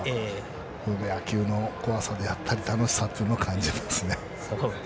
プロ野球の怖さだったり楽しさを感じますね。